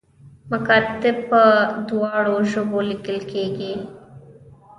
مکاتیب په دواړو ژبو لیکل کیږي